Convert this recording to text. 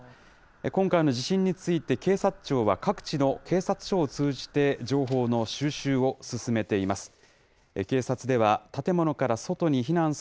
今回の地震について、警察庁は各地の警察署を通じて情報の収集を進めています。